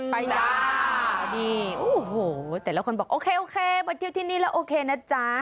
สวัสดีแต่ละคนบอกโอเคมาเที่ยวที่นี้แล้วโอเคนะจ๊ะ